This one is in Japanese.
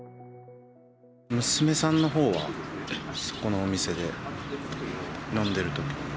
娘さんのほうは、そこのお店で飲んでるところを。